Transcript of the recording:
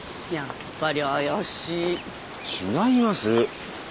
違います。